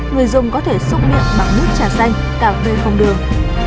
người dùng có thể xúc miệng bằng nước trà xanh cà phê không đường